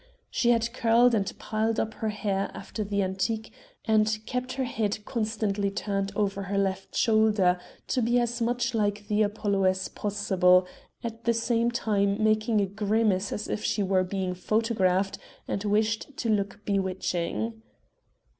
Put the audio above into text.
She had curled and piled up her hair after the antique and kept her head constantly turned over her left shoulder, to be as much like the Apollo as possible, at the same time making a grimace as if she were being photographed and wished to look bewitching.